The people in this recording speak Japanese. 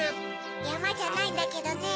やまじゃないんだけどね。